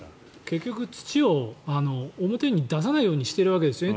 結局、土を表に出さないようにしているわけですよね。